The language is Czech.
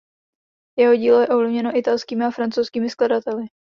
Jeho dílo je ovlivněno italskými a francouzskými skladateli.